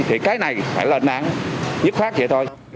thì cái này phải là nặng nhất phát vậy thôi